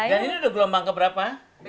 dan ini udah gelombang ke berapa